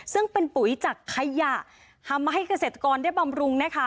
ซึ่งเป็นปุ๋ยจากขยะทำให้เกษตรกรได้บำรุงนะคะ